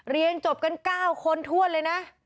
เรียนจบกัน๙คนทั่วเลยนะ